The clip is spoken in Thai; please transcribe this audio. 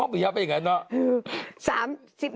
พี่ห้าเป็นยังไงล่ะ